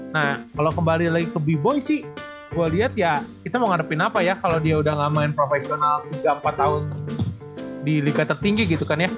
nah kalo kembali lagi ke bboy sih gua liat ya kita mau ngarepin apa ya kalo dia udah ga main profesional tiga empat tahun di liga tertinggi gitu kan ya